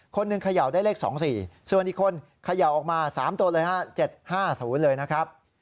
คนหนึ่งเขย่าได้เลข๒๔ส่วนอีกคนเขย่าออกมา๓ตัวเลย๕๗๕สมมุติเลยนะครับ